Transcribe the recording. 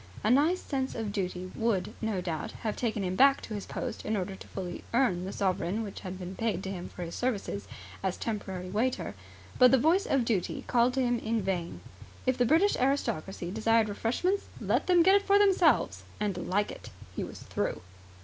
A nice sense of duty would no doubt have taken him back to his post in order fully to earn the sovereign which had been paid to him for his services as temporary waiter; but the voice of Duty called to him in vain. If the British aristocracy desired refreshments let them get them for themselves and like it! He was through.